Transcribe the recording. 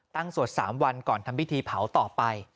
ตั้งสวดสามวันก่อนทำวิธีเผาต่อไป